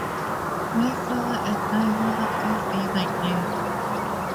My father and my mother gave me my name.